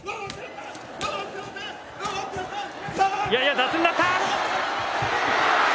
やや雑になった！